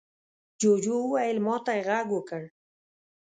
جوجو وويل: ما ته يې غږ وکړ.